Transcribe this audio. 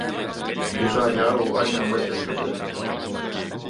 Ju saadi aru asja mõttetusest.